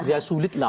ya sulit lah